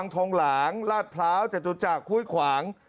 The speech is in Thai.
คลองลาดพร้าวจัดจุจักรคุ้ยขวาง